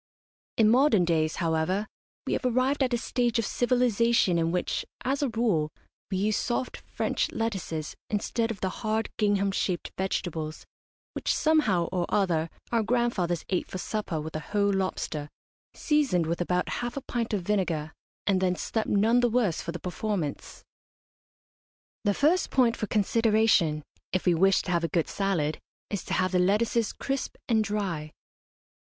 In modern days, however, we have arrived at a stage of civilisation in which, as a rule, we use soft French lettuces instead of the hard gingham shaped vegetables which somehow or other our grandfathers ate for supper with a whole lobster, seasoned with about half a pint of vinegar, and then slept none the worse for the performance. The first point for consideration, if we wish to have a good salad, is to have the lettuces crisp and dry.